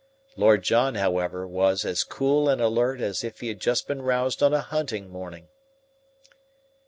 Lord John, however, was as cool and alert as if he had just been roused on a hunting morning.